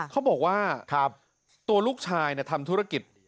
เขาบอกว่าตัวลูกชายทำธุรกิจ